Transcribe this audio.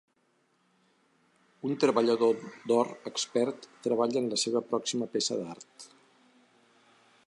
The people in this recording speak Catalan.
Un treballador d'or expert treballa en la seva pròxima peça d'art.